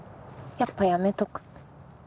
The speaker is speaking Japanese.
やっぱやめとく。